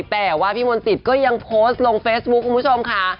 แต่ว่าพี่มนตรีก็ยังโพสต์ลงเฟซบุ๊คคุณผู้ชมค่ะ